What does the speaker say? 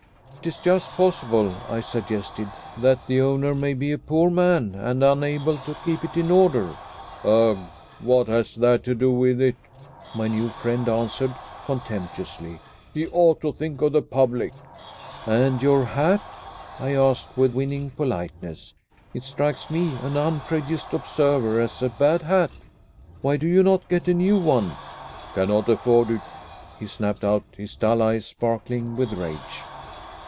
"It is just possible," I suggested, "that the owner may be a poor man and unable to keep it in order." "Ugh! What has that to do with it?" my new friend answered contemptuously. "He ought to think of the public." "And your hat?" I asked with winning politeness. "It strikes me, an unprejudiced observer, as a bad hat. Why do you not get a new one?" "Cannot afford it!" he snapped out, his dull eyes sparkling with rage.